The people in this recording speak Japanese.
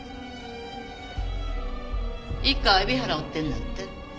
一課は海老原を追ってるんだって？